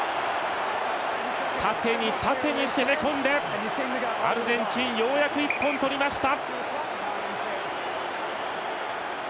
縦に縦に攻めこんでアルゼンチンようやく１本、取りました！